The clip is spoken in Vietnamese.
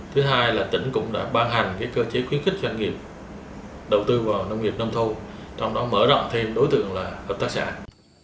thứ hai là tỉnh cũng đã ban hành cơ chế khuyến khích doanh nghiệp đầu tư vào nông nghiệp nông thôn trong đó mở rộng thêm đối tượng là hợp tác sản